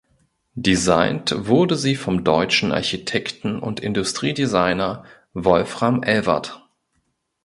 Designt wurde sie vom deutschen Architekten und Industriedesigner Wolfram Elwert.